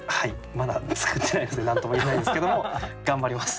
まだ作ってないので何とも言えないんですけども頑張ります。